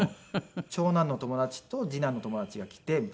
長男の友達と次男の友達が来てみたいな。